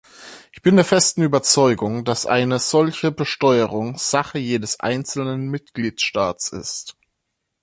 Ich bin der festen Überzeugung, dass eine solche Besteuerung Sache jedes einzelnen Mitgliedstaates ist.